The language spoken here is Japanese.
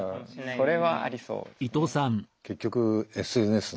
それはありそうですね。